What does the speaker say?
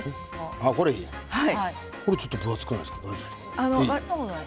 ちょっと分厚くないですか。